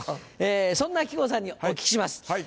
そんな木久扇さんにお聞きします。